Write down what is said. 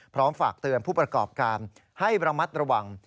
ฝากเตือนผู้ประกอบการให้ระมัดระวัง